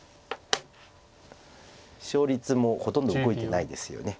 勝率もほとんど動いてないですよね